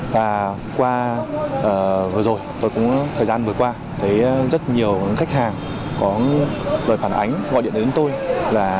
và qua vừa rồi tôi cũng thời gian vừa qua thấy rất nhiều khách hàng có lời phản ánh gọi điện đến tôi là